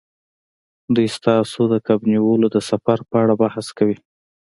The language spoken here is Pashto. دوی ستاسو د کب نیولو د سفر په اړه بحث کوي